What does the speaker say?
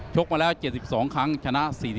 กมาแล้ว๗๒ครั้งชนะ๔๐